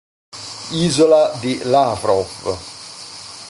Isola di Lavrov